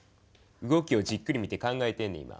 動きをじっくり見て考えてんねん今。